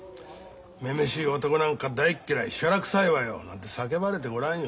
「女々しい男なんか大っ嫌いしゃらくさいわよ」なんて叫ばれてごらんよ。